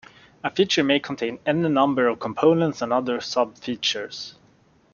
A feature may contain any number of components and other sub-features.